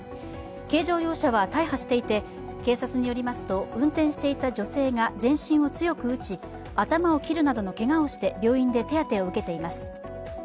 軽乗用車は大破していて警察によりますと、運転していた女性が全身を強く打ち頭を切るなどのけがをして、病院で手当てを受けています。